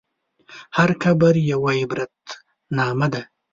هر قبر یوه عبرتنامه ده.